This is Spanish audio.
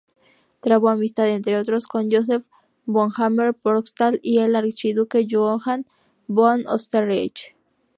Trabó amistad, entre otros, con Joseph von Hammer-Purgstall y el archiduque Johann von Österreich.